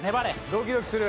ドキドキする。